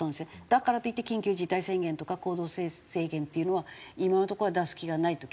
だからといって緊急事態宣言とか行動制限っていうのは今のところは出す気がないと。